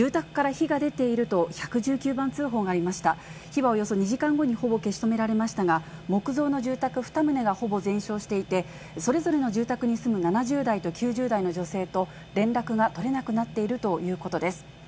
火はおよそ２時間後にほぼ消し止められましたが、木造の住宅２棟がほぼ全焼していて、それぞれの住宅に住む７０代と９０代の女性と連絡が取れなくなっているということです。